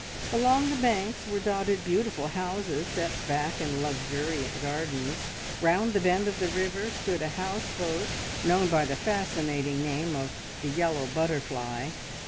Along the banks were dotted beautiful houses set back in luxuriant gardens; round the bend of the river stood a house boat known by the fascinating name of The Yellow Butterfly.